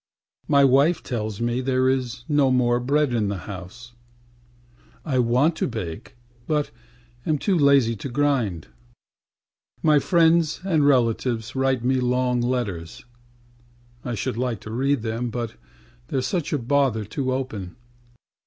My wife tells me there is no more bread in the house; I want to bake, but am too lazy to grind. My friends and relatives write me long letters; I should like to read them, but theyâre such a bother to open.